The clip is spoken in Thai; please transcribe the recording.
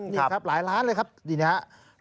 นี่ครับหลายล้านเลยครับนี่นะครับ